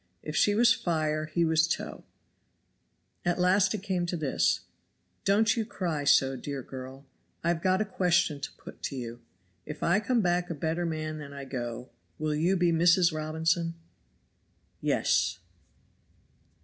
If she was fire he was tow. At last it came to this: "Don't you cry so, dear girl. I have got a question to put to you IF I COME BACK A BETTER MAN THAN I GO, WILL YOU BE MRS. ROBINSON?" "Yes."